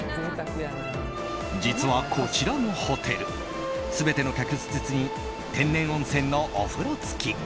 実は、こちらのホテル全ての客室に天然温泉のお風呂付き。